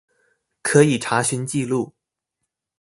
可以查詢記錄